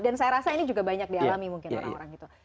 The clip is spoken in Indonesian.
dan saya rasa ini juga banyak dialami mungkin orang orang gitu